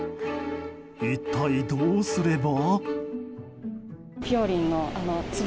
一体どうすれば。